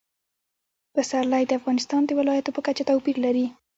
پسرلی د افغانستان د ولایاتو په کچه توپیر لري.